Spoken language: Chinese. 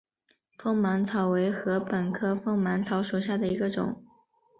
锋芒草为禾本科锋芒草属下的一个种。